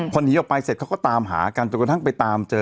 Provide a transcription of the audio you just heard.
พอหนีออกไปเสร็จเขาก็ตามหากันจนกระทั่งไปตามเจอ